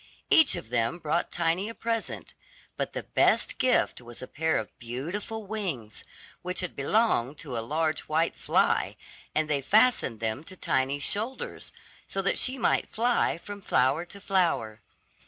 Each of them brought Tiny a present; but the best gift was a pair of beautiful wings, which had belonged to a large white fly and they fastened them to Tiny's shoulders, so that she might fly from flower to flower.